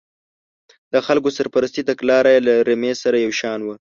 د خلکو سرپرستۍ تګلاره یې له رمې سره یو شان وه.